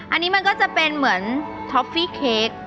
อันนี้มันก็จะเป็นเหมือนท็อฟฟี่เค้ก